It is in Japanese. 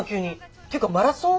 っていうかマラソン？